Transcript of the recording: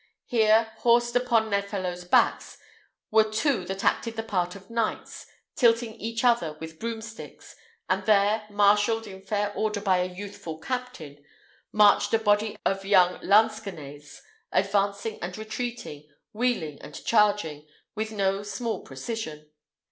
Here, horsed upon their fellows' backs, were two that acted the part of knights, tilting at each other with broomsticks; and there, marshalled in fair order by a youthful captain, marched a body of young lansquenets, advancing and retreating, wheeling and charging, with no small precision.